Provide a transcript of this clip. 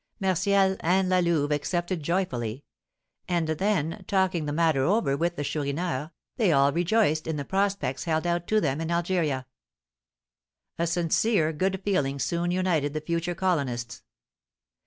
Martial and La Louve accepted joyfully; and then, talking the matter over with the Chourineur, they all three rejoiced in the prospects held out to them in Algeria. A sincere good feeling soon united the future colonists.